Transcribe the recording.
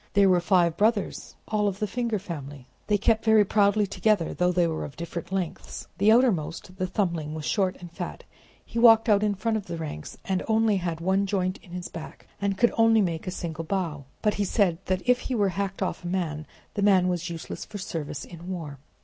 There were five brothers, all of the finger family. They kept very proudly together, though they were of different lengths: the outermost, the thumbling, was short and fat; he walked out in front of the ranks, and only had one joint in his back, and could only make a single bow; but he said that if he were hacked off a man, that man was useless for service in war.